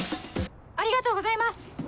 ありがとうございます！